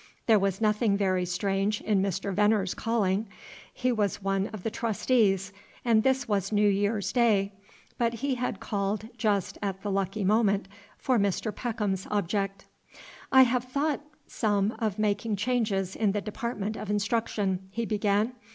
There was nothing very strange in Mr. Venner's calling; he was one of the Trustees, and this was New Year's Day. But he had called just at the lucky moment for Mr. Peckham's object. "I have thought some of makin' changes in the department of instruction," he began.